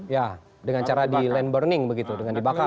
ya dengan cara di land boarning begitu dengan dibakar